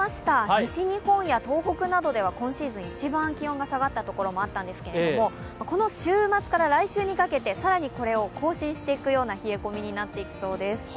西日本や東北などでは今シーズン、一番気温が下がった所もあったんですけどこの週末から来週にかけて、更にこれを更新していくような冷え込みになっていきそうです。